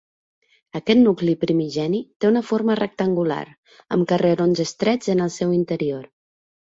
Aquest nucli primigeni té una forma rectangular, amb carrerons estrets en el seu interior.